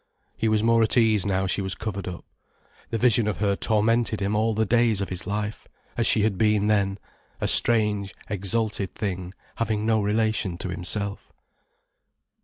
He was more at ease now she was covered up. The vision of her tormented him all the days of his life, as she had been then, a strange, exalted thing having no relation to himself.